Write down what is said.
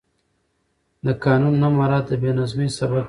د قانون نه مراعت د بې نظمي سبب کېږي